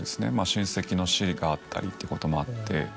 親戚の死があったりってこともあって。